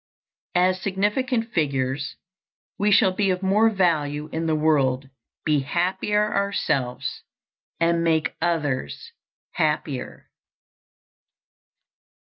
As significant figures, we shall be of more value in the world, be happier ourselves, and make others happier.